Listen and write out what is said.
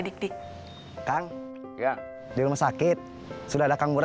udah ngasih gewoon register dirgot